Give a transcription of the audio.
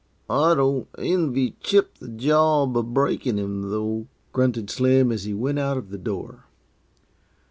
I don't envy Chip the job uh breakin' him, though," grunted Slim, as he went out of the door.